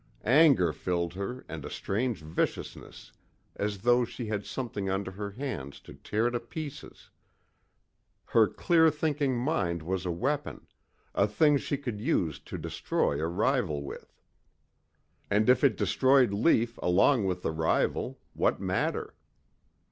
Anger filled her and a strange viciousness as though she had something under her hands to tear to pieces. Her clear thinking mind was a weapon a thing she could use to destroy a rival with. And if it destroyed Lief along with the rival, what matter?